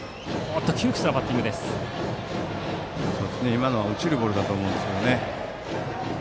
今のは落ちるボールだと思うんですけどね。